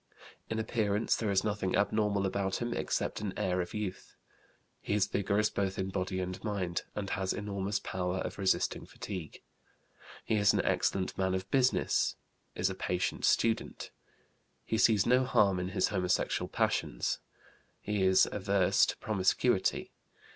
In appearance there is nothing abnormal about him except an air of youth. He is vigorous both in body and mind, and has enormous power of resisting fatigue. He is an excellent man of business. Is a patient student. He sees no harm in his homosexual passions. He is averse to promiscuity.